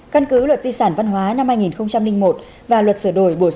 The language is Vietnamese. căn cứ luật di sản văn hóa năm hai nghìn một và luật sửa đổi bổ sung